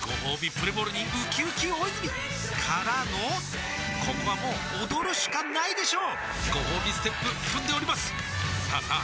プレモルにうきうき大泉からのここはもう踊るしかないでしょうごほうびステップ踏んでおりますさあさあ